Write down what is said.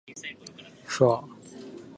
ふぁあ